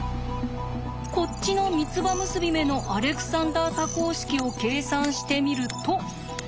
こっちの三つ葉結び目のアレクサンダー多項式を計算してみると。